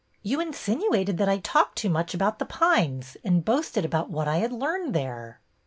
" You insinuated that I talked too much about The Pines, and boasted about what I had learned there."